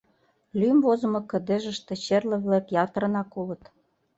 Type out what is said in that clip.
Лӱм возымо кыдежыште черле-влак ятырынак улыт.